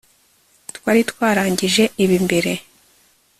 Twari twarangije ibi mbere